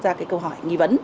và cái câu hỏi nghi vấn